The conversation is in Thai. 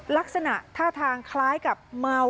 ลักษณะท่าทางคล้ายกับเมา